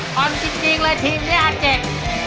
ความจริงเลยทีมนี้อาจเจ็ด